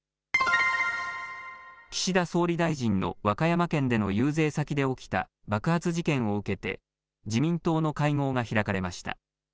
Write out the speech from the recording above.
岸田総理大臣の和歌山県での遊説先で起きた爆発事件を受けて、自民党の会合が開かれました。